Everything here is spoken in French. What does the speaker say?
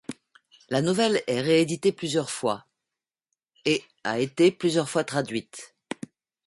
La nouvelle est rééditée plusieurs fois et été plusieurs fois traduite.